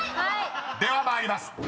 ［では参ります］